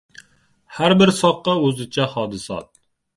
Har bir soqqa – o‘zicha hodisot.